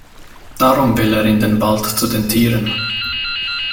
Darum will er in den Wald zu den Tieren.